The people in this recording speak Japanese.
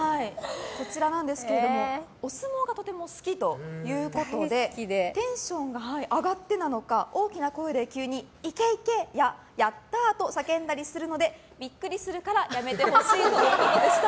こちらはお相撲がとても好きということでテンションが上がってなのか大きな声で急に、いけいけ！ややったー！と叫んだりするのでビックリするからやめてほしいとのことでした。